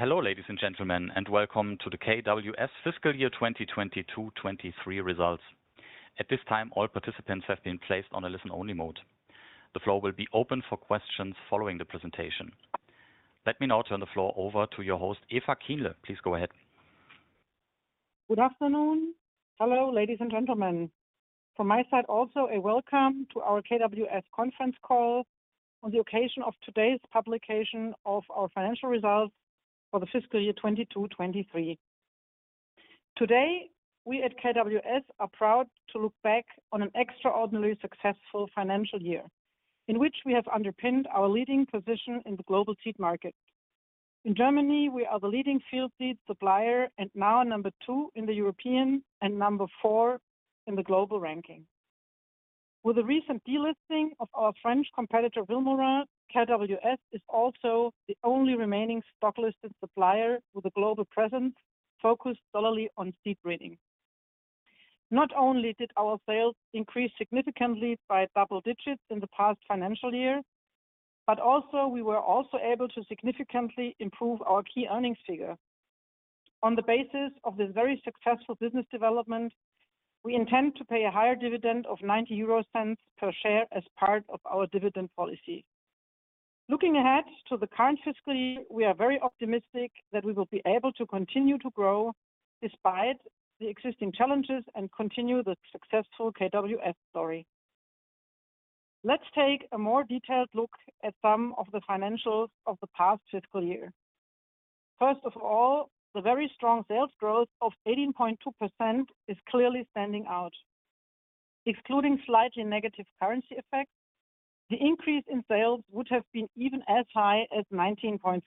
Hello, ladies and gentlemen, and welcome to the KWS Fiscal Year 2020 to 2023 results. At this time, all participants have been placed on a listen-only mode. The floor will be open for questions following the presentation. Let me now turn the floor over to your host, Eva Kienle. Please go ahead. Good afternoon. Hello, ladies and gentlemen. From my side, also, a welcome to our KWS conference call on the occasion of today's publication of our financial results for the fiscal year 2022/23. Today, we at KWS are proud to look back on an extraordinarily successful financial year, in which we have underpinned our leading position in the global seed market. In Germany, we are the leading field seed supplier and now number two in the European, and number 4 in the global ranking. With the recent delisting of our French competitor, Limagrain, KWS is also the only remaining stock-listed supplier with a global presence, focused solely on seed breeding. Not only did our sales increase significantly by double digits in the past financial year, but we were also able to significantly improve our key earnings figure. On the basis of this very successful business development, we intend to pay a higher dividend of 0.90 per share as part of our dividend policy. Looking ahead to the current fiscal year, we are very optimistic that we will be able to continue to grow despite the existing challenges and continue the successful KWS story. Let's take a more detailed look at some of the financials of the past fiscal year. First of all, the very strong sales growth of 18.2% is clearly standing out. Excluding slightly negative currency effects, the increase in sales would have been even as high as 19.3%.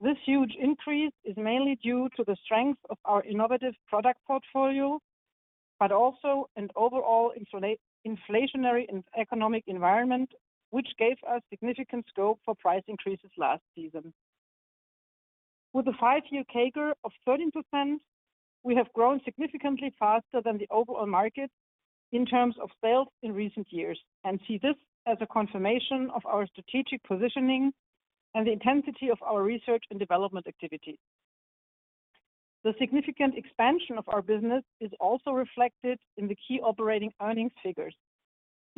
This huge increase is mainly due to the strength of our innovative product portfolio, but also an overall inflationary and economic environment, which gave us significant scope for price increases last season. With a five year CAGR of 13%, we have grown significantly faster than the overall market in terms of sales in recent years, and see this as a confirmation of our strategic positioning and the intensity of our research and development activity. The significant expansion of our business is also reflected in the key operating earnings figures.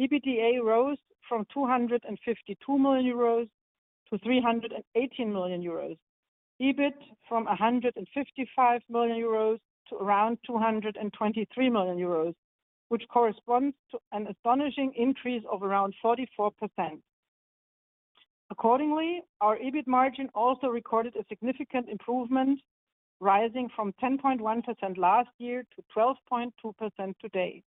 EBITDA rose from 252 million euros to 318 million euros. EBIT from 155 million euros to around 223 million euros, which corresponds to an astonishing increase of around 44%. Accordingly, our EBIT margin also recorded a significant improvement, rising from 10.1% last year to 12.2% today.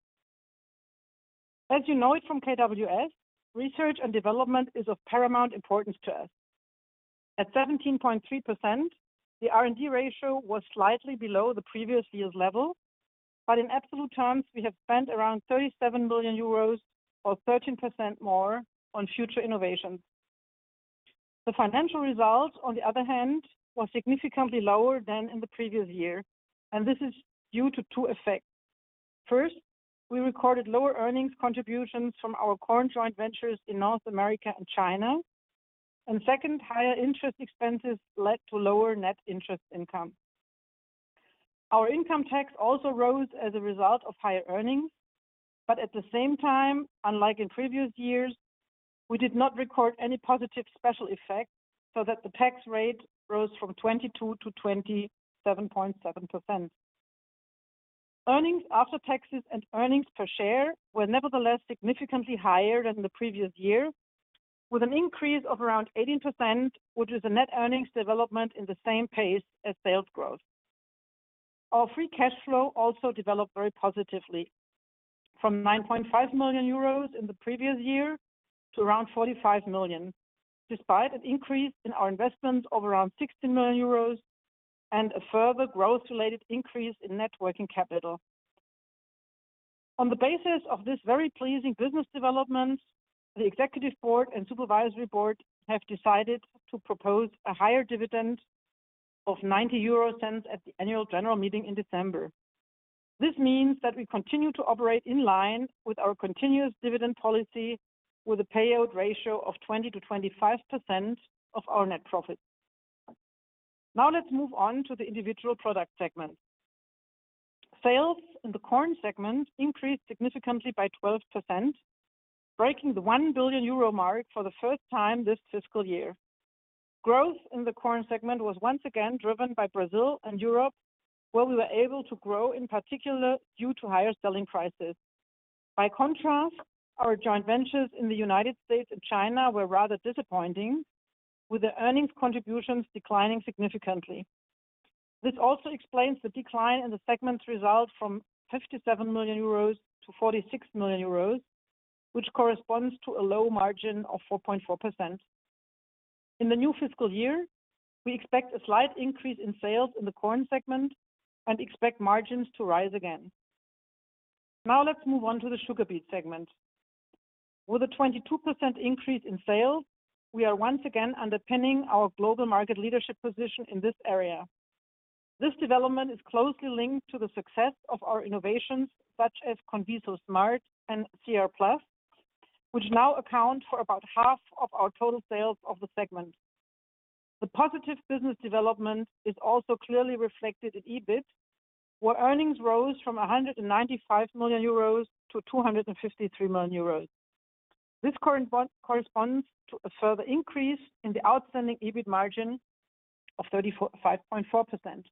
As you know it from KWS, research and development is of paramount importance to us. At 17.3%, the R&D ratio was slightly below the previous year's level, but in absolute terms, we have spent around 37 million euros or 13% more on future innovations. The financial results, on the other hand, were significantly lower than in the previous year, and this is due to two effects. First, we recorded lower earnings contributions from our corn joint ventures in North America and China. Second, higher interest expenses led to lower net interest income. Our income tax also rose as a result of higher earnings, but at the same time, unlike in previous years, we did not record any positive special effects, so that the tax rate rose from 22% to 27.7%. Earnings after taxes and earnings per share were nevertheless significantly higher than the previous year, with an increase of around 18%, which is a net earnings development in the same pace as sales growth. Our free cash flow also developed very positively, from 9.5 million euros in the previous year to around 45 million, despite an increase in our investment of around 60 million euros and a further growth-related increase in net working capital. On the basis of this very pleasing business development, the executive board and supervisory board have decided to propose a higher dividend of 0.90 at the annual general meeting in December. This means that we continue to operate in line with our continuous dividend policy, with a payout ratio of 20% to 25% of our net profit. Now, let's move on to the individual product segments. Sales in the corn segment increased significantly by 12%, breaking the 1 billion euro mark for the first time this fiscal year. Growth in the corn segment was once again driven by Brazil and Europe, where we were able to grow, in particular, due to higher selling prices. By contrast, our joint ventures in the United States and China were rather disappointing, with the earnings contributions declining significantly. This also explains the decline in the segment's result from 57 million euros to 46 million euros, which corresponds to a low margin of 4.4%. In the new fiscal year, we expect a slight increase in sales in the corn segment and expect margins to rise again. Now, let's move on to the sugar beet segment. With a 22% increase in sales, we are once again underpinning our global market leadership position in this area. This development is closely linked to the success of our innovations, such as CONVISO SMART and CR+, which now account for about half of our total sales of the segment. The positive business development is also clearly reflected in EBIT, where earnings rose from 195 million euros to 253 million euros. This current bond corresponds to a further increase in the outstanding EBIT margin of 34.54%.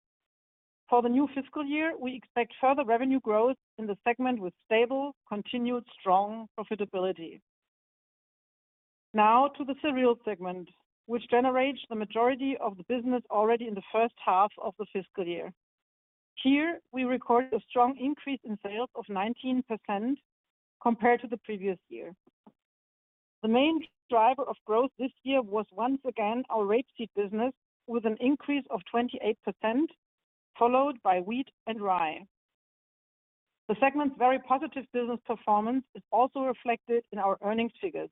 For the new fiscal year, we expect further revenue growth in the segment, with stable, continued strong profitability. Now to the Cereals segment, which generates the majority of the business already in the first half of the fiscal year. Here, we recorded a strong increase in sales of 19% compared to the previous year. The main driver of growth this year was once again our rapeseed business, with an increase of 28%, followed by wheat and rye. The segment's very positive business performance is also reflected in our earnings figures.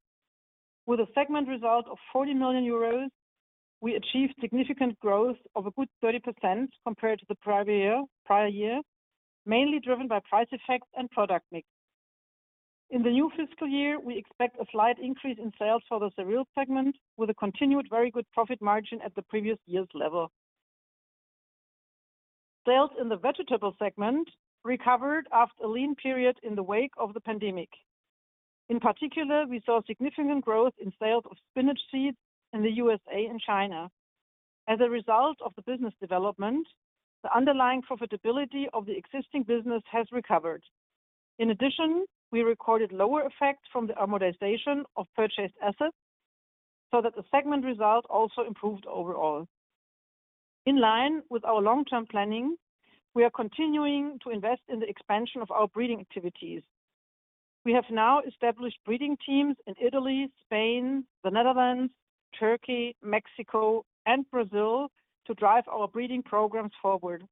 With a segment result of 40 million euros, we achieved significant growth of a good 30% compared to the prior year, prior year, mainly driven by price effects and product mix. In the new fiscal year, we expect a slight increase in sales for the Cereals segment, with a continued very good profit margin at the previous year's level. Sales in the Vegetable segment recovered after a lean period in the wake of the pandemic. In particular, we saw significant growth in sales of spinach seeds in the USA and China. As a result of the business development, the underlying profitability of the existing business has recovered. In addition, we recorded lower effects from the amortization of purchased assets, so that the segment result also improved overall. In line with our long-term planning, we are continuing to invest in the expansion of our breeding activities. We have now established breeding teams in Italy, Spain, the Netherlands, Turkey, Mexico, and Brazil to drive our breeding programs forward.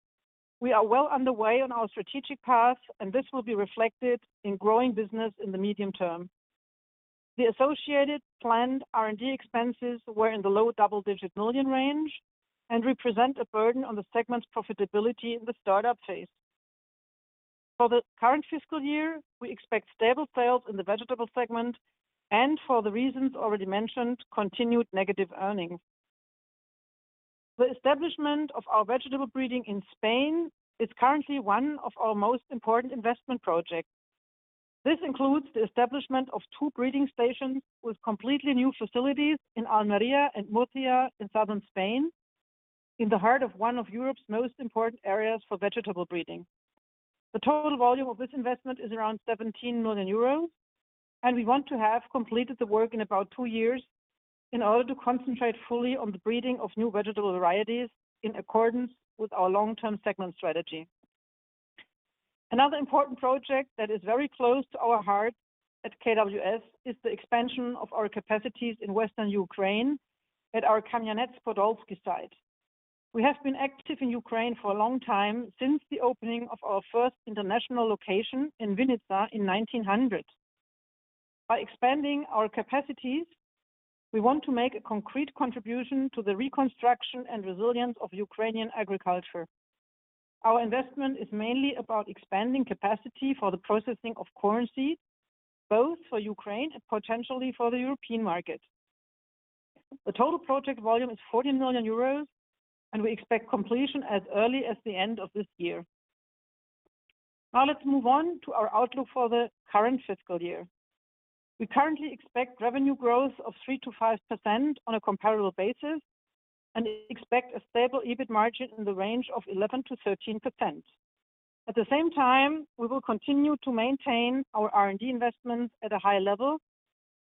We are well underway on our strategic path, and this will be reflected in growing business in the medium term. The associated planned R&D expenses were in the low double-digit million EUR range and represent a burden on the segment's profitability in the startup phase. For the current fiscal year, we expect stable sales in the Vegetable segment and, for the reasons already mentioned, continued negative earnings. The establishment of our vegetable breeding in Spain is currently one of our most important investment projects. This includes the establishment of two breeding stations with completely new facilities in Almería and Murcia in southern Spain, in the heart of one of Europe's most important areas for vegetable breeding. The total volume of this investment is around 17 million euros, and we want to have completed the work in about two years in order to concentrate fully on the breeding of new vegetable varieties in accordance with our long-term segment strategy. Another important project that is very close to our heart at KWS, is the expansion of our capacities in western Ukraine at our Kamianets-Podilskyi site. We have been active in Ukraine for a long time, since the opening of our first international location in Vinnytsia in 1900. By expanding our capacities, we want to make a concrete contribution to the reconstruction and resilience of Ukrainian agriculture. Our investment is mainly about expanding capacity for the processing of corn seeds, both for Ukraine and potentially for the European market. The total project volume is 40 million euros, and we expect completion as early as the end of this year. Now, let's move on to our outlook for the current fiscal year. We currently expect revenue growth of 3% to 5% on a comparable basis and expect a stable EBIT margin in the range of 11% to 13%. At the same time, we will continue to maintain our R&D investments at a high level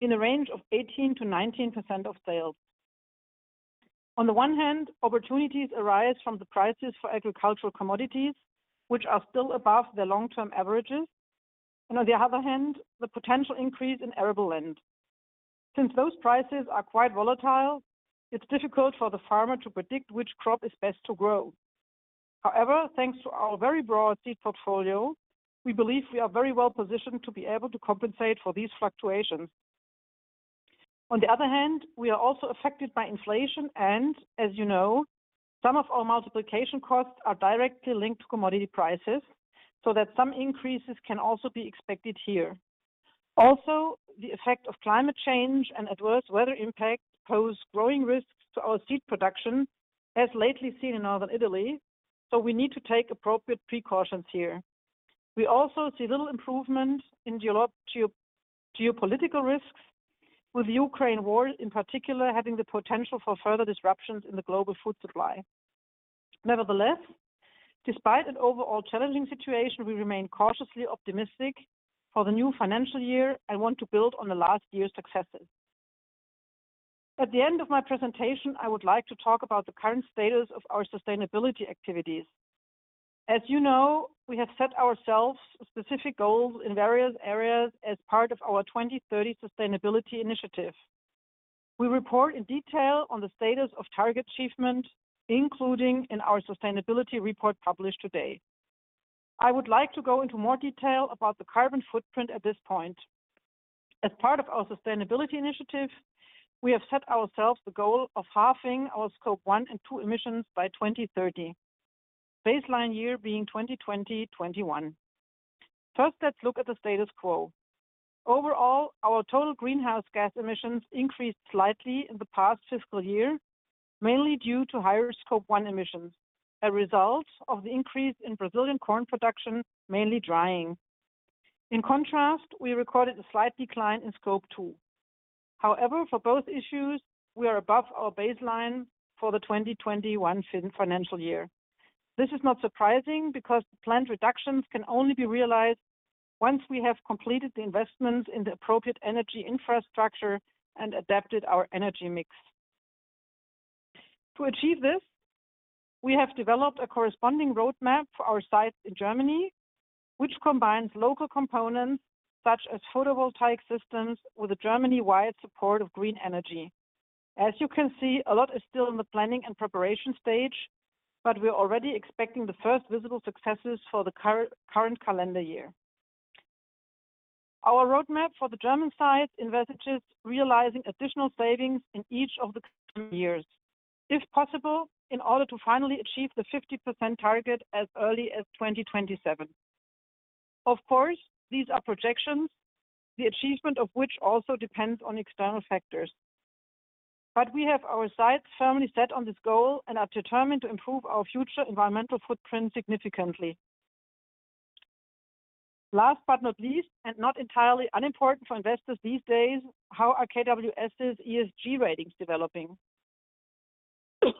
in the range of 18% to 19% of sales. On the one hand, opportunities arise from the prices for agricultural commodities, which are still above their long-term averages, and on the other hand, the potential increase in arable land. Since those prices are quite volatile, it's difficult for the farmer to predict which crop is best to grow. However, thanks to our very broad seed portfolio, we believe we are very well positioned to be able to compensate for these fluctuations. On the other hand, we are also affected by inflation, and as you know, some of our multiplication costs are directly linked to commodity prices, so that some increases can also be expected here. Also, the effect of climate change and adverse weather impacts pose growing risks to our seed production, as lately seen in northern Italy, so we need to take appropriate precautions here. We also see little improvement in geopolitical risks, with the Ukraine war, in particular, having the potential for further disruptions in the global food supply. Nevertheless, despite an overall challenging situation, we remain cautiously optimistic for the new financial year and want to build on the last year's successes. At the end of my presentation, I would like to talk about the current status of our sustainability activities. As you know, we have set ourselves specific goals in various areas as part of our 2030 sustainability initiative. We report in detail on the status of target achievement, including in our sustainability report published today. I would like to go into more detail about the carbon footprint at this point. As part of our sustainability initiative, we have set ourselves the goal of halving our Scope one and Scope two emissions by 2030 , baseline year being 2020, 2021. First, let's look at the status quo. Overall, our total greenhouse gas emissions increased slightly in the past fiscal year, mainly due to higher Scope one emissions, a result of the increase in Brazilian corn production, mainly drying. In contrast, we recorded a slight decline in Scope two. However, for both issues, we are above our baseline for the 2021 financial year. This is not surprising, because planned reductions can only be realized once we have completed the investments in the appropriate energy infrastructure and adapted our energy mix. To achieve this, we have developed a corresponding roadmap for our sites in Germany, which combines local components such as photovoltaic systems with a Germany-wide support of green energy. As you can see, a lot is still in the planning and preparation stage, but we're already expecting the first visible successes for the current calendar year. Our roadmap for the German site investigates realizing additional savings in each of the years, if possible, in order to finally achieve the 50% target as early as 2027. Of course, these are projections, the achievement of which also depends on external factors. But we have our sights firmly set on this goal and are determined to improve our future environmental footprint significantly. Last but not least, and not entirely unimportant for investors these days, how are KWS's ESG ratings developing? As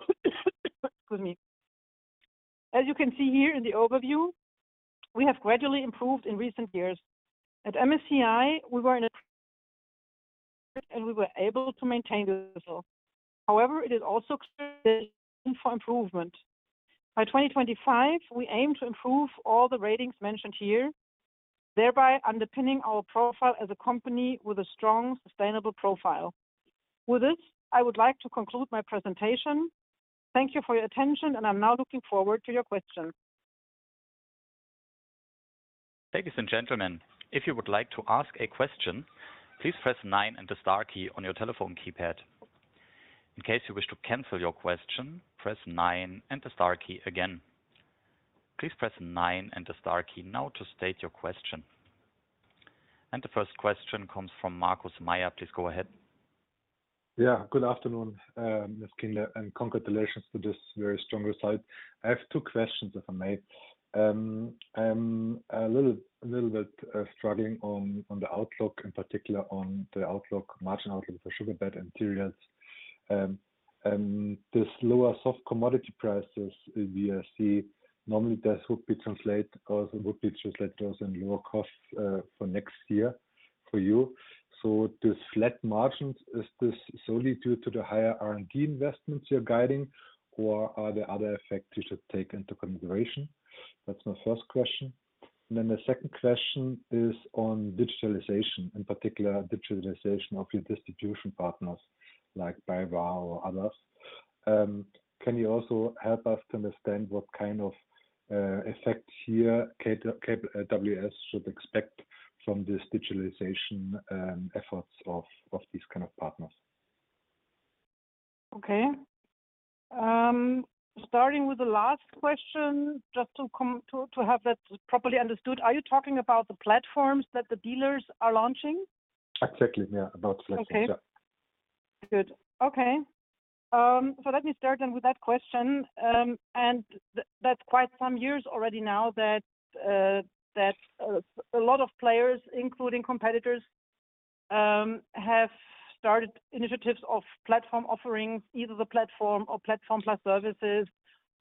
you can see here in the overview, we have gradually improved in recent years. At MSCI, we were in a and we were able to maintain this. However, it is also room for improvement. By 2025, we aim to improve all the ratings mentioned here, thereby underpinning our profile as a company with a strong, sustainable profile. With this, I would like to conclude my presentation. Thank you for your attention, and I'm now looking forward to your questions. Ladies and gentlemen, if you would like to ask a question, please press nine and the star key on your telephone keypad. In case you wish to cancel your question, press nine and the star key again. Please press nine and the star key now to state your question. The first question comes from Markus Mayer. Please go ahead. Yeah, good afternoon, Ms. Kienle, and congratulations to this very strong result. I have two questions, if I may. I'm a little bit struggling on the outlook, in particular on the outlook, margin outlook for sugar beet and cereals. And this lower soft commodity prices, we see normally this would be translate or would be translated as in lower costs, for next year for you. So this flat margins, is this solely due to the higher R&D investments you're guiding, or are there other effects you should take into consideration? That's my first question. And then the second question is on digitalization, in particular, digitalization of your distribution partners, like BayWa or others. Can you also help us to understand what kind of effect here KWS should expect from this digitalization efforts of these kind of partners? Okay. Starting with the last question, just to come to, to have that properly understood, are you talking about the platforms that the dealers are launching? Exactly, yeah, about platforms. Okay. Yeah. Good. Okay, so let me start then with that question. And that's quite some years already now that a lot of players, including competitors, have started initiatives of platform offerings, either the platform or platform plus services,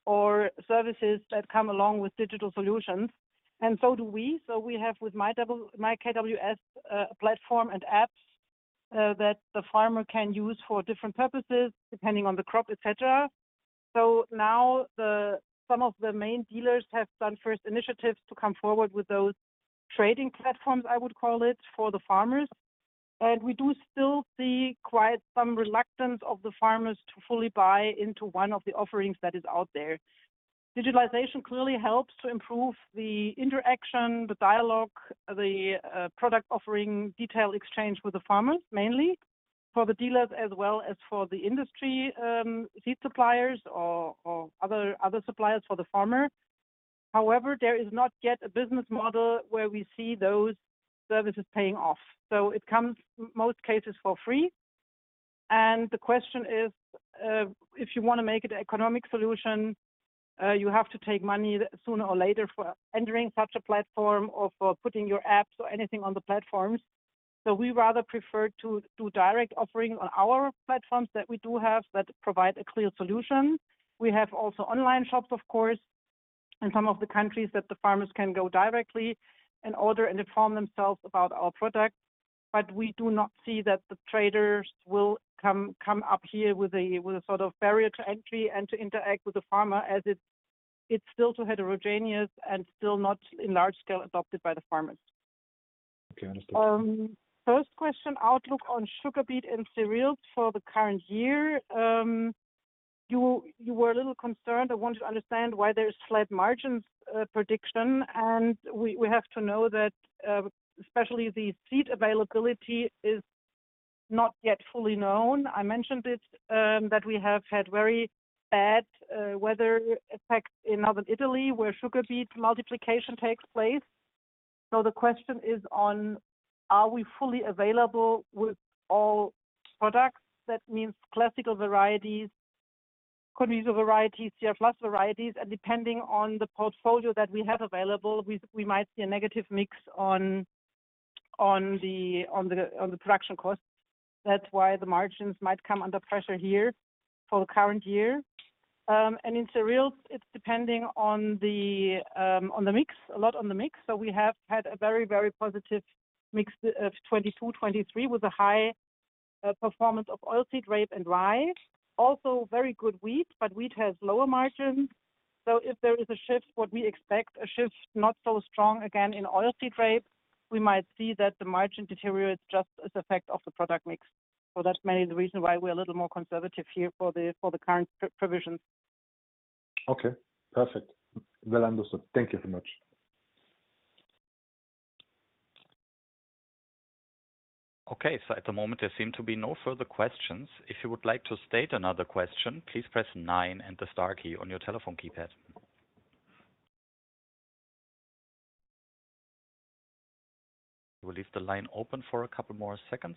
or services that come along with digital solutions, and so do we. So we have with myKWS platform and apps that the farmer can use for different purposes, depending on the crop, et cetera. So now some of the main dealers have done first initiatives to come forward with those trading platforms, I would call it, for the farmers. And we do still see quite some reluctance of the farmers to fully buy into one of the offerings that is out there. Digitalization clearly helps to improve the interaction, the dialogue, the product offering, detail exchange with the farmers, mainly for the dealers as well as for the industry, seed suppliers or other suppliers for the farmer. However, there is not yet a business model where we see those services paying off. So it comes in most cases for free. And the question is, if you want to make it an economic solution, you have to take money sooner or later for entering such a platform or for putting your apps or anything on the platforms. So we rather prefer to do direct offering on our platforms that we do have, that provide a clear solution. We have also online shops, of course, in some of the countries that the farmers can go directly and order and inform themselves about our products. But we do not see that the traders will come up here with a sort of barrier to entry and to interact with the farmer, as it's still too heterogeneous and still not in large scale adopted by the farmers. Okay, understood. First question, outlook on sugar beet and cereals for the current year. You were a little concerned. I want to understand why there is slight margins prediction, and we have to know that especially the seed availability is not yet fully known. I mentioned it that we have had very bad weather effects in northern Italy, where sugar beet multiplication takes place. So the question is, are we fully available with all products? That means classical varieties, CONVISO varieties, CR+ varieties, and depending on the portfolio that we have available, we might see a negative mix on the production costs. That's why the margins might come under pressure here for the current year. And in cereals, it's depending on the mix, a lot on the mix. So we have had a very, very positive mix of 2022, 2023, with a high performance of oilseed rape and rye. Also very good wheat, but wheat has lower margins. So if there is a shift, what we expect, a shift not so strong again in oilseed rape, we might see that the margin deteriorates just as effect of the product mix. So that's mainly the reason why we're a little more conservative here for the current provisions. Okay, perfect. Well understood. Thank you so much. Okay, so at the moment, there seem to be no further questions. If you would like to state another question, please press nine and the star key on your telephone keypad. We'll leave the line open for a couple more seconds.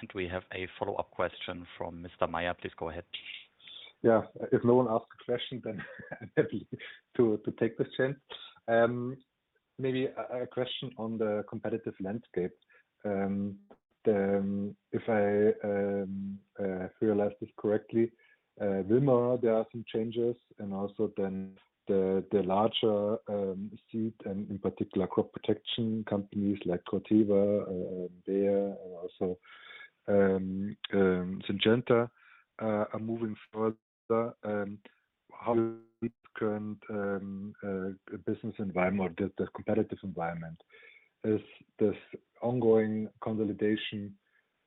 And we have a follow-up question from Mr. Mayer. Please go ahead. Yeah. If no one asks a question, then I'm happy to, to take this chance. Maybe a question on the competitive landscape. If I realized this correctly, Vilmorin, there are some changes, and also then the larger seed, and in particular, crop protection companies like Corteva, Bayer, and also Syngenta are moving further and how current business environment or the competitive environment. Is this ongoing consolidation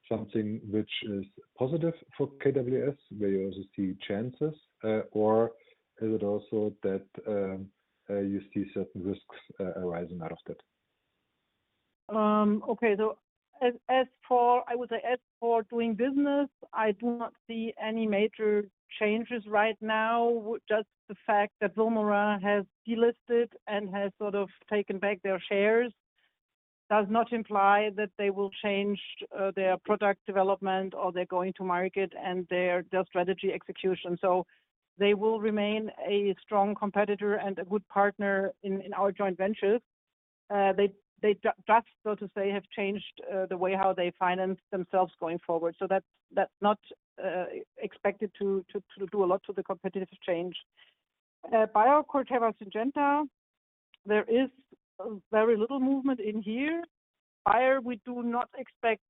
something which is positive for KWS, where you also see chances, or is it also that you see certain risks arising out of that? Okay. So as for doing business, I would say, I do not see any major changes right now. Just the fact that Vilmorin has delisted and has sort of taken back their shares does not imply that they will change their product development or their going to market and their strategy execution. So they will remain a strong competitor and a good partner in our joint ventures. They just, so to say, have changed the way how they finance themselves going forward. So that's not expected to do a lot to the competitive change. Bayer, Corteva, Syngenta, there is very little movement in here. Bayer, we do not expect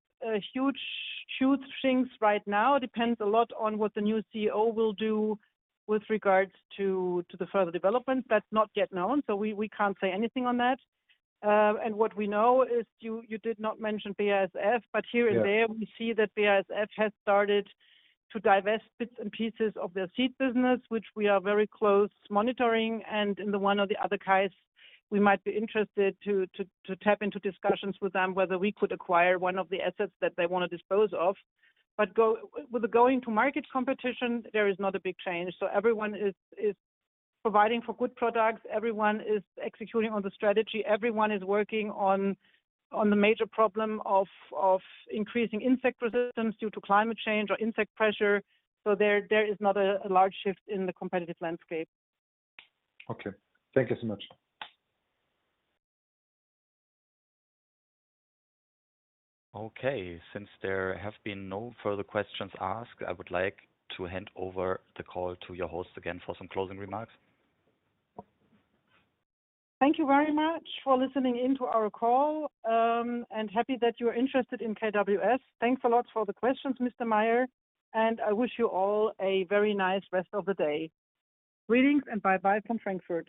huge things right now. Depends a lot on what the new CEO will do with regards to the further development. That's not yet known, so we can't say anything on that. What we know is you did not mention BASF, but here and there- Yeah We see that BASF has started to divest bits and pieces of their seed business, which we are very closely monitoring, and in the one or the other case, we might be interested to tap into discussions with them, whether we could acquire one of the assets that they want to dispose of. But with the go-to-market competition, there is not a big change. So everyone is providing good products, everyone is executing on the strategy, everyone is working on the major problem of increasing insect resistance due to climate change or insect pressure. So there is not a large shift in the competitive landscape. Okay. Thank you so much. Okay, since there have been no further questions asked, I would like to hand over the call to your host again for some closing remarks. Thank you very much for listening in to our call, and happy that you are interested in KWS. Thanks a lot for the questions, Mr. Meyer, and I wish you all a very nice rest of the day. Greetings, and bye-bye from Frankfurt.